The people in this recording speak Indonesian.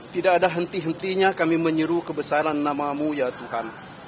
tidak ada henti hentinya kami menyuruh kebesaran namamu ya tuhan